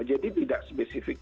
jadi tidak spesifik